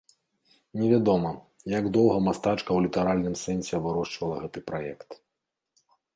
Невядома, як доўга мастачка ў літаральным сэнсе вырошчвала гэты праект.